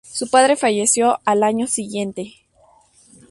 Su padre falleció al año siguiente.